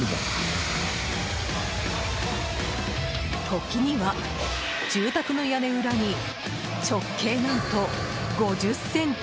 時には、住宅の屋根裏に直径、何と５０ｃｍ！